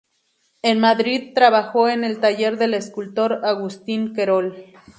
En Madrid trabajó en el taller del escultor Agustín Querol.